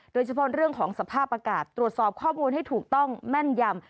โดยเฉพาะเรื่องของสภาพอากาศตรวจสอบข้อมูลให้ถูกต้องแม่นยำ